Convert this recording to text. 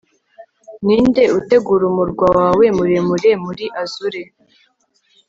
Ninde utegura umurwa wawe muremure muri azure